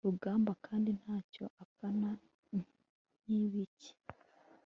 rugamba kandi nta cyo apfa na nkibiki